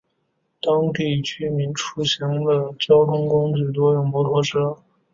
当地居民出行的交通工具多用摩托车。